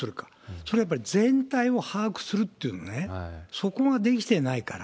それはやっぱり全体を把握するっていうね、そこができてないから。